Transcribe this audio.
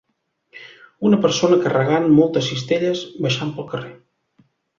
Una persona carregant moltes cistelles baixant pel carrer.